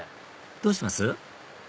どうします？